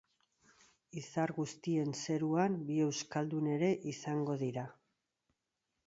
Izar guztien zeruan bi euskaldun ere izango dira.